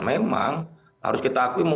memang harus kita akui